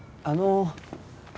あの。